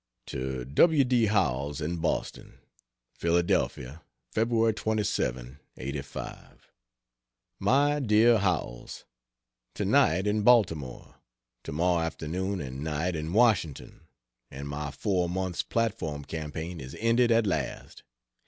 To W. D. Howells, in Boston: PHILADA. Feb. 27, '85. MY DEAR HOWELLS, To night in Baltimore, to morrow afternoon and night in Washington, and my four months platform campaign is ended at last.